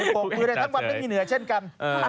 บ่งคือในทั้งวันนึงอย่างเหนือเช่นกัน